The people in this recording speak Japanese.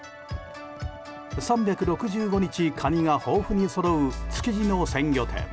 ３６５日カニが豊富にそろう築地の鮮魚店。